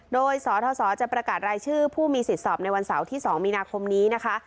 โดยสทจะประกาศรายชื่อผู้มีสิทธิ์สอบในวันเสาร์ที่๒มีนาคมนี้นะคะ